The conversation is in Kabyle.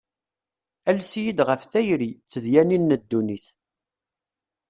Ales-iyi-d ɣef tayri, d tedyanin n dunnit.